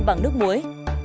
bằng nước muối